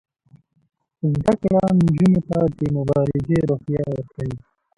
زده کړه نجونو ته د مبارزې روحیه ورکوي.